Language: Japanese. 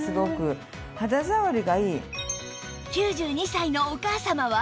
９２歳のお母様は？